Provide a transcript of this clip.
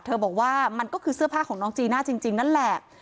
บอกว่ามันก็คือเสื้อผ้าของน้องจีน่าจริงนั่นแหละ